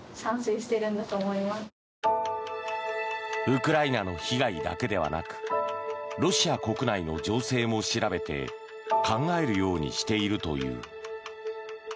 ウクライナの被害だけではなくロシア国内の情勢も調べて考えるようにしているという。